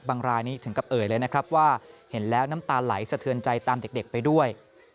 รายนี้ถึงกับเอ่ยเลยนะครับว่าเห็นแล้วน้ำตาไหลสะเทือนใจตามเด็กไปด้วย